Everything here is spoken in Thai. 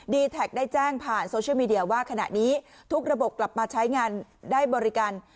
แท็กได้แจ้งผ่านโซเชียลมีเดียว่าขณะนี้ทุกระบบกลับมาใช้งานได้บริการ